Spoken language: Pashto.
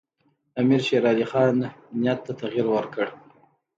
امیرشیرعلي خان نیت ته تغییر ورکړ.